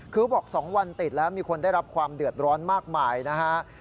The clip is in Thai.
คือบอก๒วันติดแล้วมีคนได้รับความเดือดร้อนมากมายนะฮะ